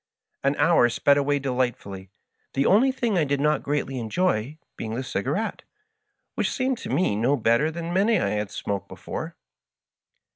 '^ An hour sped away delightfully, the only thing I did not greatly enjoy being the cigarette, which seemed to me no better than many I had smoked before.